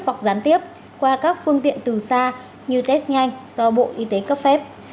hoặc gián tiếp qua các phương tiện từ xa như test nhanh do bộ y tế cấp phép